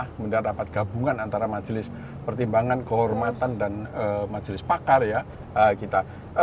kemudian rapat gabungan antara majelis pertimbangan kehormatan dan majelis pakar ya kita